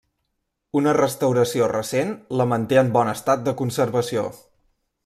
Una restauració recent la manté en bon estat de conservació.